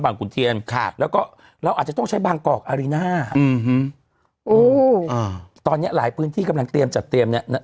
บางขุนเทียนแล้วก็เราอาจจะต้องใช้บางกอกอารีนาตอนนี้หลายพื้นที่กำลังเตรียมจัดเตรียมเนี่ย